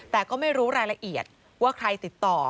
แต่ก็ไม่รู้รายละเอียดว่าใครติดต่อ